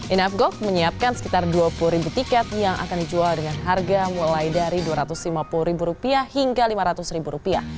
inapgog menyiapkan sekitar dua puluh ribu tiket yang akan dijual dengan harga mulai dari dua ratus lima puluh hingga lima ratus rupiah